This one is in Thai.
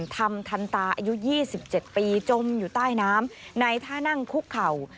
ธรรมทันตาอายุ๒๗ปีจมอยู่ใต้น้ำในท่านั่งคุกเข่า